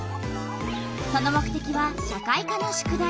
その目てきは社会科の宿題。